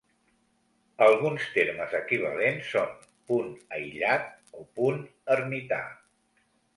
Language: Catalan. Alguns termes equivalents són "punt aïllat" o "punt ermità".